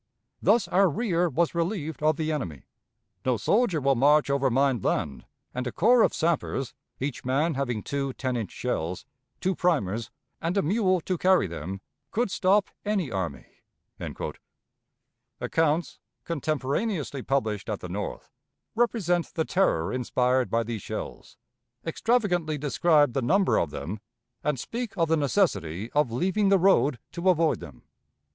Thus our rear was relieved of the enemy. No soldier will march over mined land, and a corps of sappers, each man having two ten inch shells, two primers, and a mule to carry them, could stop any army." Accounts, contemporaneously published at the North, represent the terror inspired by these shells, extravagantly describe the number of them, and speak of the necessity of leaving the road to avoid them.